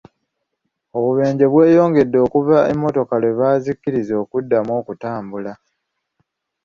Obubenje bweyongedde okuva emmotoka lwe baazikkiriza okuddamu okutambula.